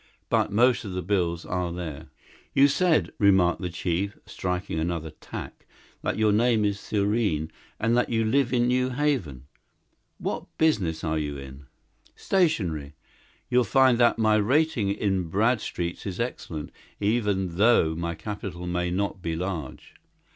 But most of the bills are there." "You said," remarked the chief, striking another tack, "that your name is Thurene and that you live in New Haven. What business are you in?" "Stationery. You'll find that my rating in Bradstreet's is excellent, even though my capital may not be large.